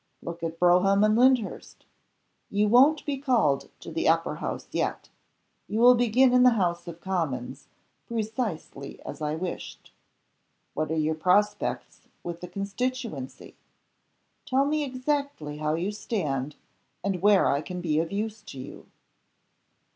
(Look at Brougham and Lyndhurst!) You won't be called to the Upper House yet. You will begin in the House of Commons precisely as I wished. What are your prospects with the constituency? Tell me exactly how you stand, and where I can be of use to you."